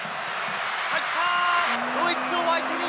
入った！